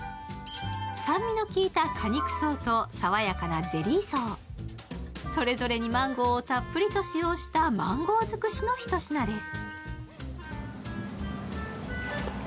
酸味のきいた果肉層とさわやかなゼリー層、それぞれにマンゴーをたっぷりと使用したマンゴー尽くしのひと品です。